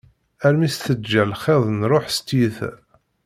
Armi s-teǧǧa lxiḍ n rruḥ s tiyita.